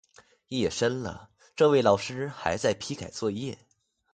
夜深了，这位老师还在批改作业